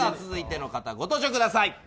続いての方、ご登場ください！